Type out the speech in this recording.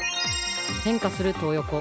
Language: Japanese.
変化するトー横。